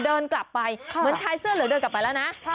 เดินกลับไปเหมือนชายเสื้อเหลืองเดินกลับไปแล้วนะ